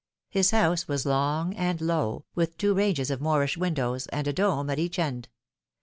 His house was long and low, with two ranges of Moorish windows, and a dome at each end.